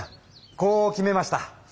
こう決めました。